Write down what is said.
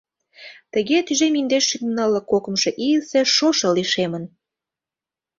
Тыге тӱжем индеш шӱдӧ нылле кокымшо ийысе шошо лишемын.